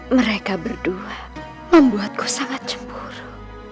mereka berdua membuatku sangat cebur